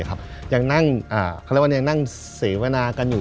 คันแรกวันนี้ยังนั่งเสวนากันอยู่